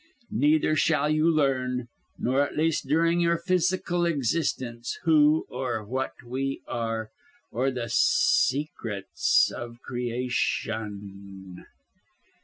Neither shall you learn, not at least during your physical existence who or what we are, or the secrets of creation.